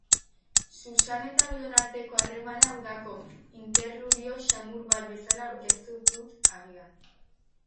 Susan eta bion arteko harremana udako interludio samur bat bezala aurkeztu dut agian.